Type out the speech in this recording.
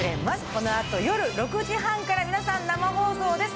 このあと夜６時半から皆さん、生放送です。